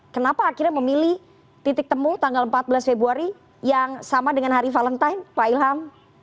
kenapa akhirnya memilih titik temu tanggal empat belas februari yang sama dengan hari valentine pak ilham